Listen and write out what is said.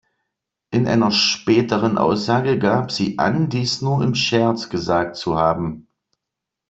In einer späteren Aussage gab sie an dies nur im Scherz gesagt zu haben.